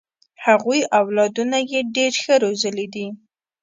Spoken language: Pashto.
هغوی اولادونه یې ډېر ښه روزلي دي.